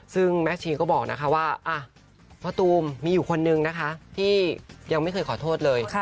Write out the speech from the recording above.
ซึ่งแม่ชีก็บอกนะคะว่ามะตูมมีอยู่คนนึงนะคะที่ยังไม่เคยขอโทษเลย